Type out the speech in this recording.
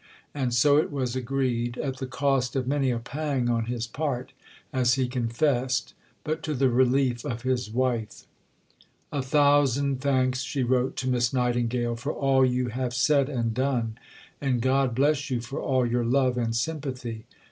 And so it was agreed; at the cost of many a pang on his part, as he confessed, but to the relief of his wife. "A thousand thanks," she wrote to Miss Nightingale, "for all you have said and done," and "God bless you for all your love and sympathy."